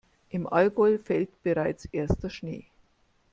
Im Allgäu fällt bereits erster Schnee.